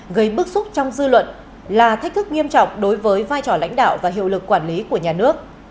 gây bức xúc trong dư luận là thách thức nghiêm trọng đối với vai trò lãnh đạo và hiệu lực quản lý của nhà nước